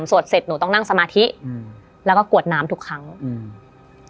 สวดเสร็จหนูต้องนั่งสมาธิอืมแล้วก็กวดน้ำทุกครั้งอืม